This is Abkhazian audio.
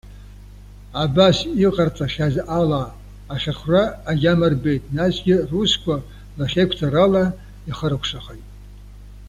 Абас, иҟарҵахьаз ала ахьырхәра агьама рбеит, насгьы русқәа лахьеиқәҵарала ихыркәшахеит.